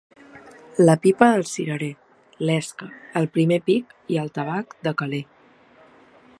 La pipa de cirerer, l'esca, del primer pic i el tabac de calé.